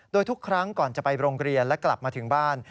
โดยทุกครั้งก่อนจะไปโรงเรียนและกลับมาถึงบ้าน